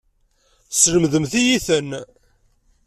Teslemdemt-iyi-ten.